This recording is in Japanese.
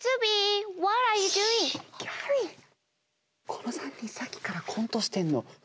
この３人さっきからコントしてんの。